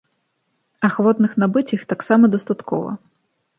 Ахвотных набыць іх таксама дастаткова.